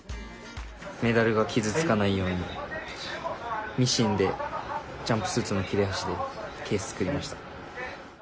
メダルが傷つかないように、ミシンでジャンプスーツの切れ端でケース作りました。